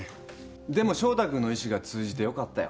でも翔太君の意志が通じてよかったよ。